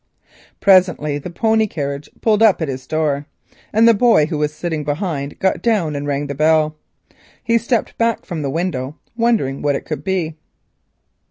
Presently the pony carriage pulled up at his door, and the boy who was sitting behind got down and rang the bell. He stepped back from the window, wondering what it could be.